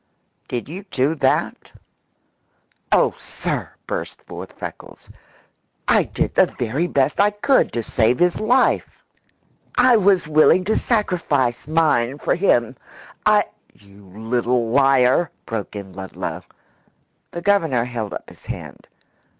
Did you do that?" "Oh, sir," burst forth Freckles, "I did the very best I could to save his life! I was willing to sacrifice mine for him. I " "You little liar!" broke in Ludlow. The Governor held up his hand.